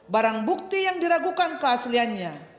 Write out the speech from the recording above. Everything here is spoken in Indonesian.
barang bukti yang diragukan ke asliannya